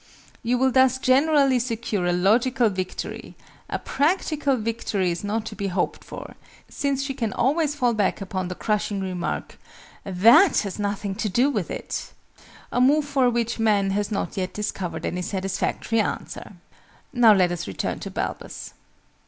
You will thus generally secure a logical victory: a practical victory is not to be hoped for, since she can always fall back upon the crushing remark "that has nothing to do with it!" a move for which Man has not yet discovered any satisfactory answer. Now let us return to BALBUS.)